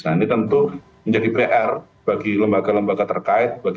nah ini tentu menjadi pr bagi lembaga lembaga terkait